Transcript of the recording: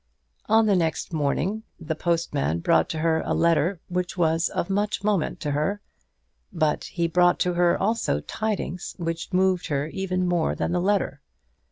On the next morning the postman brought to her a letter which was of much moment to her, but he brought to her also tidings which moved her more even than the letter.